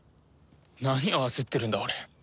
何を焦ってるんだ俺。